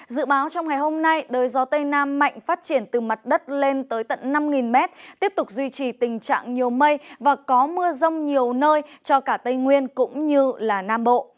dự báo trong ngày hôm nay đời gió tây nam mạnh phát triển từ mặt đất lên tới tận năm m tiếp tục duy trì tình trạng nhiều mây và có mưa rông nhiều nơi cho cả tây nguyên cũng như nam bộ